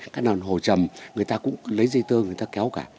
các đàn hồ trầm người ta cũng lấy dây tơ người ta kéo cả